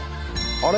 あれ？